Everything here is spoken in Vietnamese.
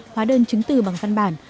hóa đơn chứng từ bằng văn bản